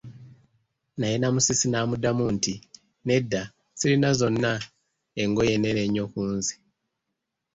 Naye Namusisi n'amuddamu nti, nedda, sirina zonna engoye nnene nnyo kunze.